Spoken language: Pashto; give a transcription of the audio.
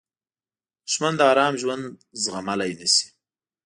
دښمن د آرام ژوند زغملی نه شي